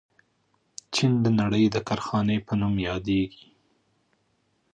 چین د نړۍ د کارخانې په نوم یادیږي.